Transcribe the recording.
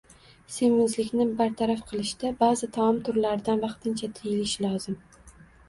Semizlikni bartaraf qilishda ba’zi taom turlaridan vaqtincha tiyilish lozim.